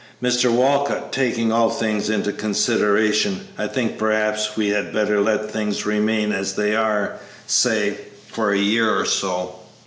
"Mr. Walcott, taking all things into consideration, I think perhaps we had better let things remain as they are, say, for a year or so.